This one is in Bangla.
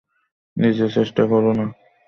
নিজে চেষ্টা কোরো না।